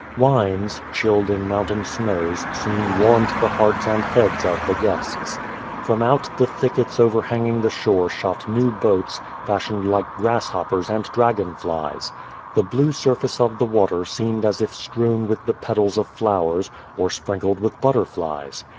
Wines, chilled in mountain snows, soon warmed the hearts and heads of the guests. From out the thickets overhanging the shores shot new boats, fashioned like grasshoppers and dragon flies. The blue surface of the water seemed as if strewn with the petals of flowers, or sprinkled with butterflies.